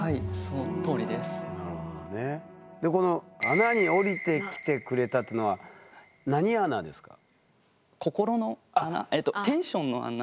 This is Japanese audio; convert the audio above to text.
「穴に下りてきてくれた」っていうのは何穴ですか？